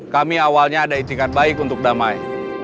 kami awalnya ada itikat baik untuk damai